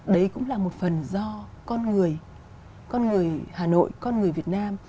đấy cũng là một phần do con người hà nội con người việt nam